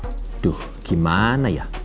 aduh gimana ya